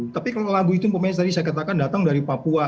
tapi kalau lagu itu saya katakan datang dari papua